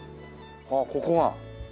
ああここが？